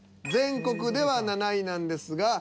全国では７位なんですが。